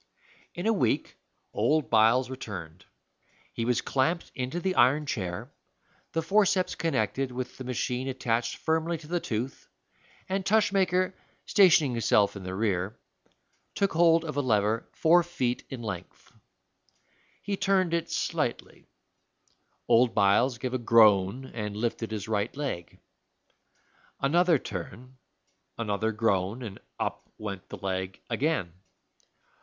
In a week old Byles returned; he was clamped into the iron chair, the forceps connected with the machine attached firmly to the tooth, and Tushmaker, stationing himself in the rear, took hold of a lever four feet in length. He turned it slightly. Old Byles gave a groan and lifted his right leg. Another turn, another groan, and up went the leg again.